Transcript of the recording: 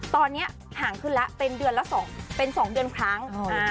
ตอนนี้ห่างขึ้นแล้วเป็นเดือนละเป็น๒เดือนครั้ง